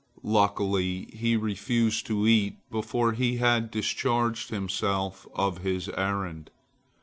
Luckily, he refused to eat before he had discharged himself of his errand.